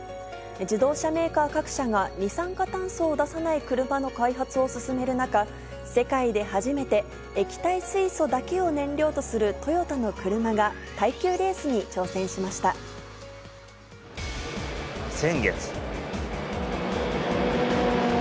自動車メーカー各社が二酸化炭素を出さない車の開発を進める中、世界で初めて液体水素だけを燃料とするトヨタの車が耐久レースに先月。